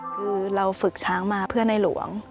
คือเราฝึกช้างมาเพื่อในหลวง